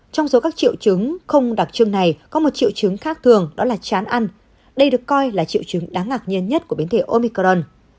trong số các triệu chứng không đặc trưng này có một triệu chứng khác thường đó là chán ăn đây được coi là triệu chứng đáng ngạc nhiên nhất của biến thể omicron